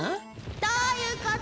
どういうこと！？